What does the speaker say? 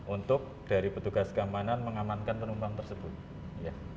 untuk dari petugas keamanan mengamankan penumpang tersebut